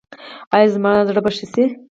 ایا زما زړه به ښه شي؟